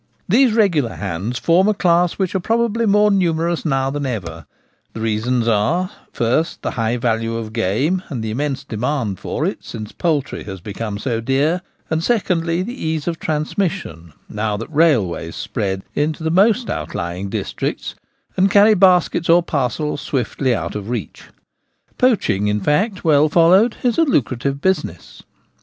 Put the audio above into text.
These regular hands form a class which are probably more numerous now than ever ; the reasons are — first, the high value of game and the immense demand for it since poultry has become so dear, and, secondly, the ease of trans mission now that railways spread into the most out lying districts and carry baskets or parcels swiftly out of reach. Poaching, in fact, well followed, is a lucra tive business.